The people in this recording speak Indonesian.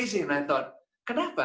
saya pikir kenapa